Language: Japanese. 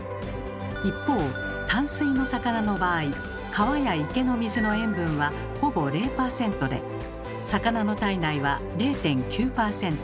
一方淡水の魚の場合川や池の水の塩分はほぼ０％で魚の体内は０．９％。